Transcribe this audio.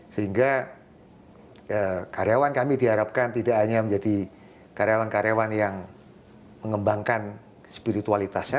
sehingga karyawan kami diharapkan tidak hanya menjadi karyawan karyawan yang mengembangkan spiritualitasnya